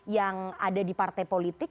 yang ada di partai politik